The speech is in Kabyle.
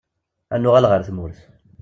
Ad nuɣal ɣer tmurt.